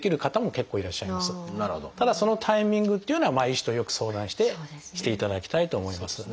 ただそのタイミングっていうのは医師とよく相談していただきたいと思います。